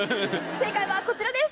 正解はこちらです！